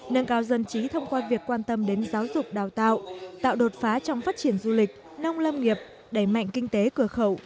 nâng cao dân trí thông qua việc quan tâm đến giáo dục đào tạo tạo đột phá trong phát triển du lịch nông lâm nghiệp đẩy mạnh kinh tế cửa khẩu